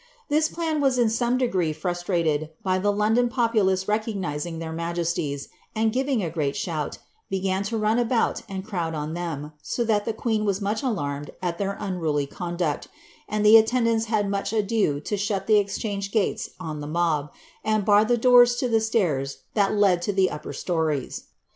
This plan was in some degree frustrated, by the London populace recognising their majesties, and giving a great shout, began to run about and crowd on them, so that the queen was much alarmed at their unruly conduct, and the attendants had much ado to shut the Exchange gates on the mob, and bar the doors to the stairs that led to the upper stories.